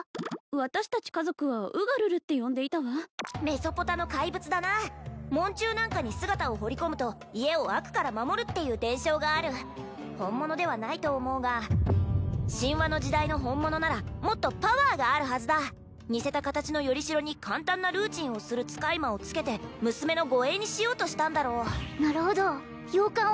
私達家族はウガルルって呼んでいたわメソポタの怪物だな門柱なんかに姿を彫り込むと家を悪から守るっていう伝承がある本物ではないと思うが神話の時代の本物ならもっとパワーがあるはずだ似せた形のよりしろに簡単なルーチンをする使い魔をつけて娘の護衛にしようとしたんだろうなるほどようかん